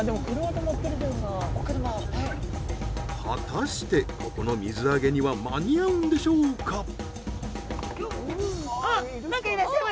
果たしてここの水揚げには間に合うんでしょうか？